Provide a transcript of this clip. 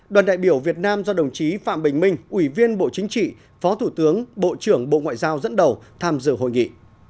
đoàn đại biểu việt nam do đồng chí phạm bình minh ủy viên bộ chính trị phó thủ tướng bộ trưởng bộ ngoại giao dẫn đầu tham dự hội nghị